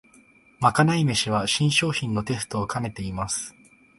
まかない飯は新商品のテストをかねてます